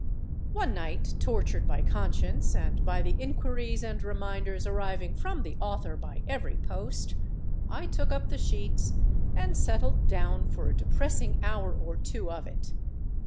One night, tortured by conscience and by the inquiries and reminders arriving from the author by every post, I took up the sheets and settled down for a depressing hour or two of it....